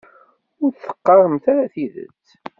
Ur d-teqqaremt ara tidet.